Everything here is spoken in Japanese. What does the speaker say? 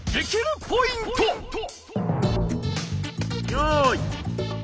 よい。